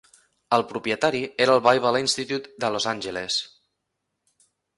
El propietari era el Bible Institute de Los Angeles.